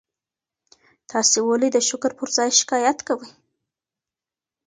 تاسي ولي د شکر پر ځای شکایت کوئ؟